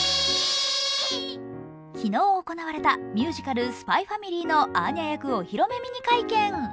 昨日行われたミュージカル「ＳＰＹ×ＦＡＭＩＬＹ」のアーニャ役お披露目ミニ会見。